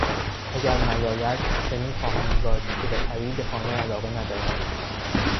اگر نیاید چنین خواهم انگاشت که به خرید خانه علاقه ندارد.